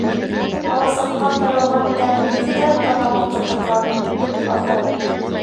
Аласыҡҡа таралған тәмле еҫтәр танауын ҡытыҡланы, ахыры.